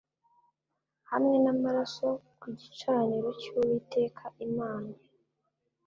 Hamwe n amaraso ku gicaniro cy uwiteka imana